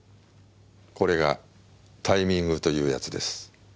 これがタイミングというやつです。